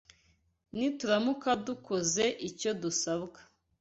Nituramuka dukoze ibyo dusabwa